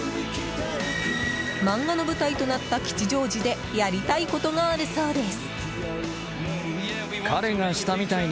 漫画の舞台となった吉祥寺でやりたいことがあるそうです。